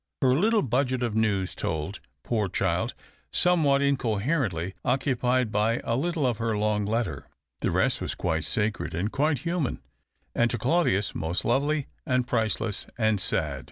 Her little budget of news, told — poor child !— somewhat incoherently, occupied but a little of her long letter. The rest was quite sacred, and quite human, and to Claudius most lovely, and priceless, and sad.